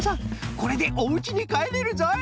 これでおうちにかえれるぞい。